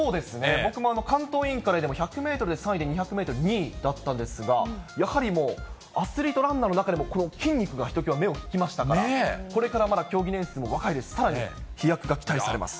僕も関東インカレで１００メートルで３位で、２００メートル２位だったんですが、やはりもう、アスリートランナーの中でもこの筋肉がひときわ目を引きましたから、これからまだ競技年数も若いですし、さらに飛躍が期待されます。